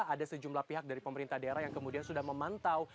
ada sejumlah pihak dari pemerintah daerah yang kemudian sudah memantau